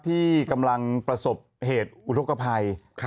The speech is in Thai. ที่กำลังประสบเหตุอุทธกภัย